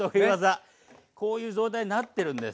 こういう状態になってるんです。